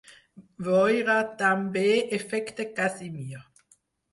Veure també "Efecte Casimir".